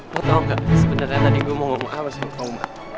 kamu tahu nggak sebenarnya tadi gue mau ngomong apa sama pak umar